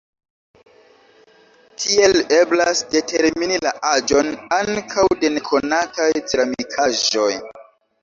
Tiel eblas determini la aĝon ankaŭ de nekonataj ceramikaĵoj.